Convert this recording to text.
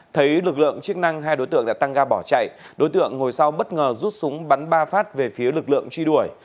thấy lực lượng chức năng hai đối tượng đã tăng ga bỏ chạy đối tượng ngồi sau bất ngờ rút súng bắn ba phát về phía lực lượng truy đuổi